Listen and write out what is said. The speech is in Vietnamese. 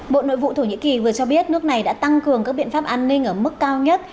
bộ nội vụ thổ nhĩ kỳ vừa cho biết nước này đã tăng cường các biện pháp an ninh ở mức cao nhất